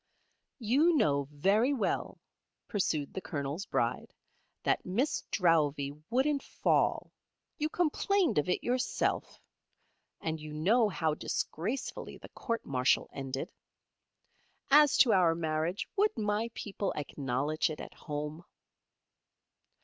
"You know very well," pursued the Colonel's Bride, "that Miss Drowvey wouldn't fall. You complained of it yourself. And you know how disgracefully the court martial ended. As to our marriage; would my people acknowledge it at home?"